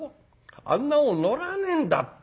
あんなもん乗らねえんだって。